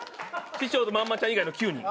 師匠とまんまちゃん以外の９人。